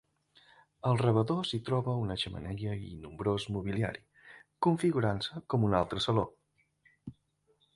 Al rebedor s'hi troba una xemeneia i nombrós mobiliari, configurant-se com un altre saló.